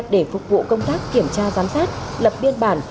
để phục vụ công tác kiểm tra giám sát lập biên bản